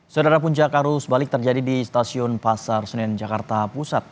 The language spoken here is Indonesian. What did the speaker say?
saudara puncak arus balik terjadi di stasiun pasar senen jakarta pusat